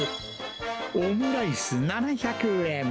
オムライス７００円。